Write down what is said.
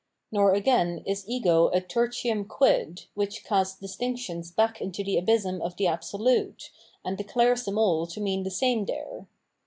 Nor again is Ego a teHium quid which casts distinctions back into the abysm of the Absolute, and declares them aU to mean the same there.